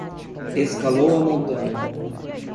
Escalou a montanha